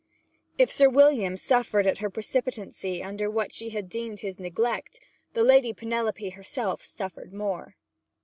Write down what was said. If Sir William suffered at her precipitancy under what she had deemed his neglect, the Lady Penelope herself suffered more.